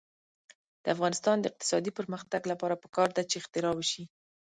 د افغانستان د اقتصادي پرمختګ لپاره پکار ده چې اختراع وشي.